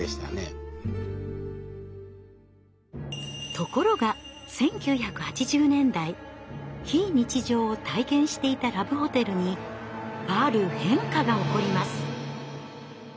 ところが１９８０年代非日常を体現していたラブホテルにある変化が起こります。